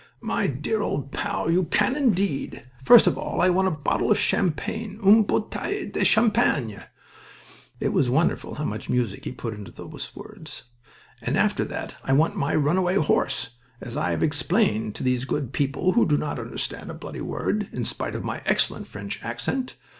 "My dear old pal, you can indeed! First of all I want a bottle of champagne une bouteille de champagne " it was wonderful how much music he put into those words "and after that I want my runaway horse, as I have explained to these good people who do not understand a bloody word, in spite of my excellent French accent.